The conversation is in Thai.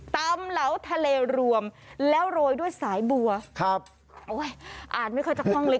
เหลาทะเลรวมแล้วโรยด้วยสายบัวครับโอ้ยอ่านไม่ค่อยจากห้องเล็ก